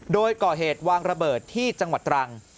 โดยก่อเหตุวางระเบิดที่จังหวัดตรัง